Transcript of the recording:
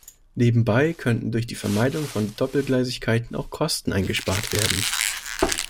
Nebenbei könnten durch die Vermeidung von Doppelgleisigkeiten auch Kosten eingespart werden.